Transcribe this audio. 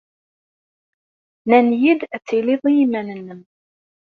Nnan-iyi-d ad tiliḍ i yiman-nnem.